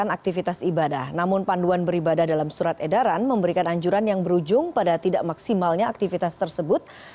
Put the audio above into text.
assalamualaikum wr wb